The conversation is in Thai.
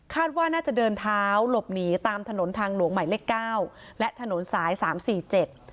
ว่าน่าจะเดินเท้าหลบหนีตามถนนทางหลวงใหม่เลขเก้าและถนนสายสามสี่เจ็ด